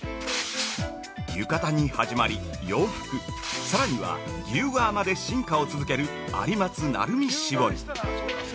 ◆浴衣に始まり洋服、さらには牛革まで進化を続ける「有松・鳴海絞り」。